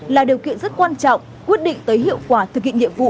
là điều kiện rất quan trọng quyết định tới hiệu quả thực hiện nhiệm vụ